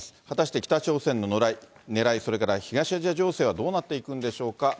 果たして北朝鮮のねらい、それから東アジア情勢はどうなっていくんでしょうか。